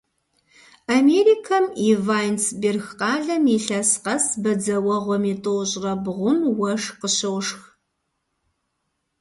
Америкэм и Вайнсберг къалэм илъэс къэс бадзэуэгъуэм и тӏощӏрэ бгъум уэшх къыщошх.